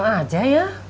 emang aja ya